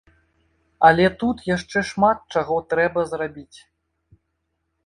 Але тут яшчэ шмат чаго трэба зрабіць.